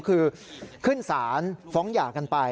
คือขึ้นสารฟ้องหย่ากันไป